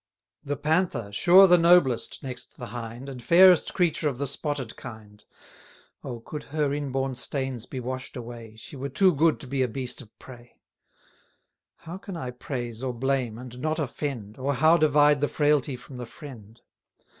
The Panther sure the noblest, next the Hind, And fairest creature of the spotted kind; Oh, could her inborn stains be wash'd away, She were too good to be a beast of prey! 330 How can I praise, or blame, and not offend, Or how divide the frailty from the friend?